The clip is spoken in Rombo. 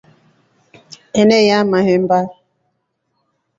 Eneyaa mahemba.